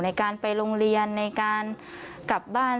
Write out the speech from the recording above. ในการไปโรงเรียนในการกลับบ้าน